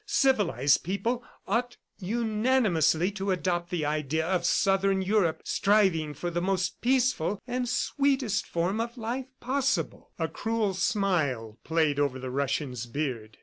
Civilized peoples ought unanimously to adopt the idea of southern Europe, striving for the most peaceful and sweetest form of life possible." A cruel smile played over the Russian's beard.